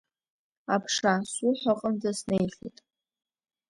Аԥша, суҳәо аҟынӡа снеихьеит.